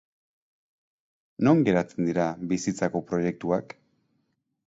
Non geratzen dira bizitzako proiektuak?